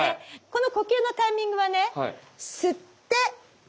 この呼吸のタイミングはね吸って吐いて止める。